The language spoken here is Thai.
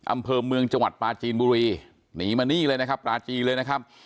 อำเภอเมืองจังหวัดปลาจีนบุรีหนีมานี่เลยนะครับปลาจีนเลยนะครับ